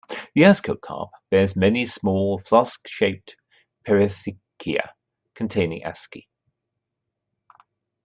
The ascocarp bears many small, flask-shaped perithecia containing asci.